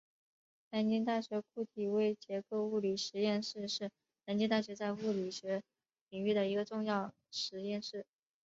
南京大学固体微结构物理实验室是南京大学在物理学领域的一个重要实验室。